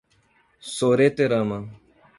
Sooretama